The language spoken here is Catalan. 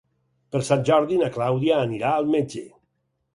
Per Sant Jordi na Clàudia anirà al metge.